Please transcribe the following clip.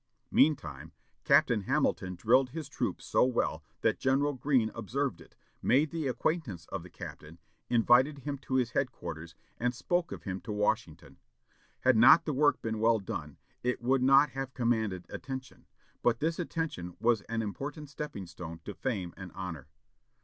Meantime, Captain Hamilton drilled his troops so well that General Greene observed it, made the acquaintance of the captain, invited him to his headquarters, and spoke of him to Washington. Had not the work been well done, it would not have commanded attention, but this attention was an important stepping stone to fame and honor.